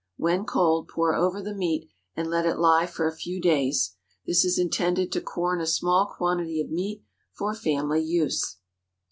When cold, pour over the meat, and let it lie for a few days. This is intended to corn a small quantity of meat for family use.